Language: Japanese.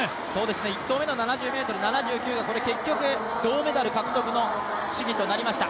１投目の７０ｍ７９が結局銅メダル獲得の試技となりました。